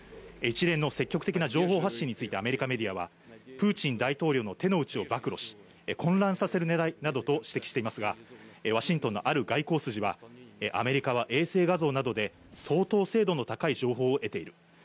一連の積極的な情報を発信についてアメリカメディアは、プーチン大統領の手のうちを暴露し、混乱させるねらいなどと指摘していますが、ワシントンのある外交筋はアメリカは衛星画像などで相当精度の高い情報を得ている。